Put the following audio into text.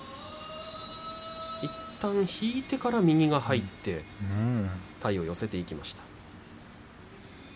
いったん引いてから右が入って体を寄せていきました。